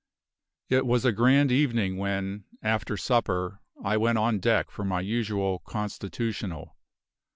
It was a grand evening when, after supper, I went on deck for my usual "constitutional".